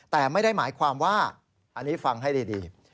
แต่ไม่ได้หมายความว่าอันนี้ฟังให้ดี